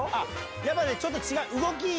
やっぱねちょっと違う。